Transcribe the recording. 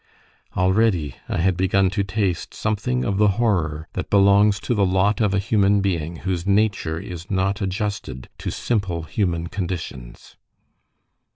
Already I had begun to taste something of the horror that belongs to the lot of a human being whose nature is not adjusted to simple human conditions.